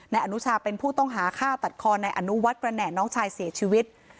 อนุชาเป็นผู้ต้องหาฆ่าตัดคอในอนุวัฒน์ประแหน่น้องชายเสียชีวิต